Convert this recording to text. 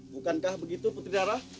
bukankah begitu putri darah